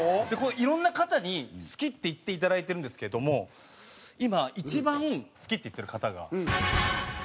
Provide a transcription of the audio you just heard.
いろんな方に好きって言っていただいてるんですけども今一番好きって言ってる方が。